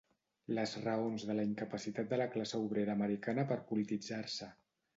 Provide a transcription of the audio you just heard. Les raons de la incapacitat de la classe obrera americana per polititzar-se.